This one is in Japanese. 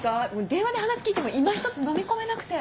電話で話聞いてもいまひとつのみ込めなくて。